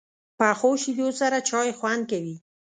پخو شیدو سره چای خوند کوي